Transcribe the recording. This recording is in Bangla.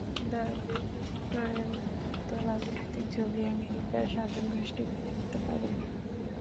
দ্য গ্রেট ডিক্টেটর-এর মতো রাজনৈতিক ছবি আমেরিকার শাসকগোষ্ঠী মেনে নিতে পারেনি।